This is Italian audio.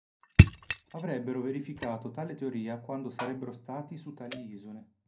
Avrebbe verificato tale teoria quando sarebbero stati su tali isole.